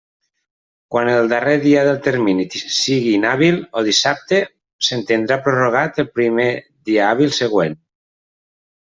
Quan el darrer dia del termini sigui inhàbil o dissabte s'entendrà prorrogat al primer dia hàbil següent.